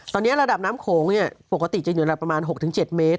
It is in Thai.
ตอนนี้ระดับน้ำโขงปกติจะอยู่ละประมาณ๖๗เมตร